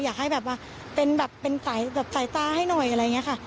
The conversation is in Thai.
อยากให้แบบว่าเป็นแบบเป็นสายตาให้หน่อยอะไรอย่างนี้ค่ะ